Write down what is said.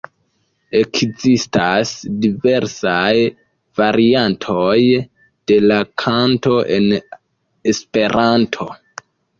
Ekzistas diversaj variantoj de la kanto en Esperanto.